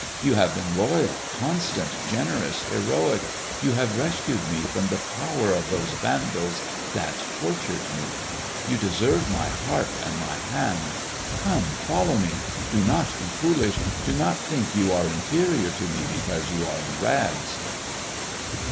You have been loyal, constant, generous, heroic; you have rescued me from the power of those Vandals that tortured me. You deserve my heart and my hand. Come, follow me! Do not be foolish; do not think you are inferior to me because you are in rags."